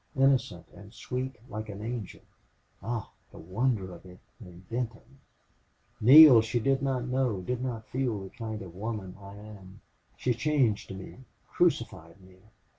Innocent and sweet like an angel! Ah, the wonder of it in Benton! Neale, she did not know did not feel the kind of a woman I am. She changed me crucified me.